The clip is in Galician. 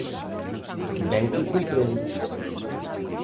Ben que o comprendo...